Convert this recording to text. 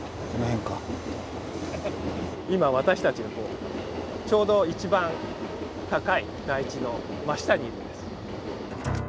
今私たちはちょうど一番高い台地の真下にいるんです。